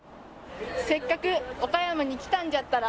「せっかく岡山に来たんじゃったら」